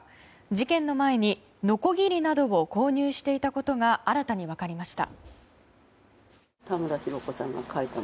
事件の前にノコギリなどを購入していたことが新たに分かりました。